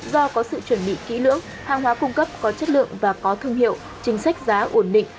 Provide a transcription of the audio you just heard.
do có sự chuẩn bị kỹ lưỡng hàng hóa cung cấp có chất lượng và có thương hiệu chính sách giá ổn định